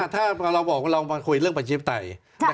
ถ้าเราบอกว่าเรามาคุยเรื่องประชาธิปไตย